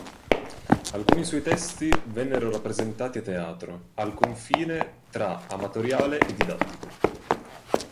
Alcuni suoi testi vennero rappresentati a teatro, al confine tra amatoriale e didattico.